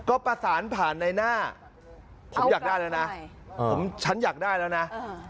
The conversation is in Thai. ก็ประสานผ่านในหน้าผมอยากได้แล้วนะผมฉันอยากได้แล้วนะ